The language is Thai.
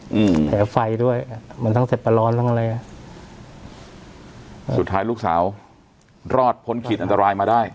อืมแผลไฟด้วยอ่ะมันตั้งแต่ปลาร้อนทั้งอะไรอ่ะสุดท้ายลูกสาวรอดพ้นขีดอันตรายมาได้